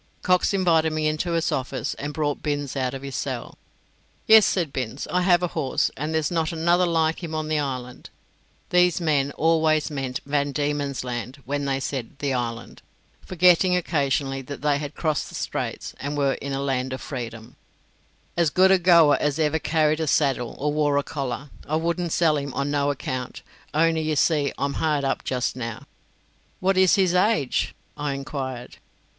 Cox invited me into his office, and brought Binns out of his cell. "Yes," said Binns "I have a horse, and there's not another like him on the island," (these men always meant Van Diemen's Land when they said "the island," forgetting occasionally that they had crossed the straits, and were in a land of freedom) "as good a goer as ever carried a saddle, or wore a collar. I wouldn't sell him on no account, only you see I'm hard up just now." "What is his age?" I enquired.